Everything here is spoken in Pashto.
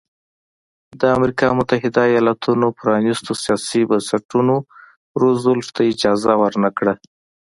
د امریکا متحده ایالتونو پرانیستو سیاسي بنسټونو روزولټ ته اجازه ورنه کړه.